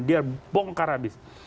dia bongkar habis